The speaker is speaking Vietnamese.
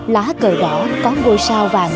lá cờ đỏ có ngôi sao vàng